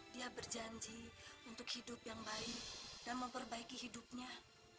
dia berjanji untuk hidup yang baik dan memperbaiki hidupnya